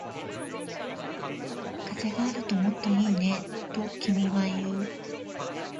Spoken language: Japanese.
風があるともっといいね、と君は言う